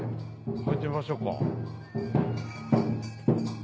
入ってみましょうか。